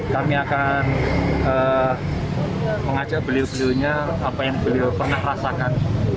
kami akan mengajak beliau beliaunya apa yang beliau pernah rasakan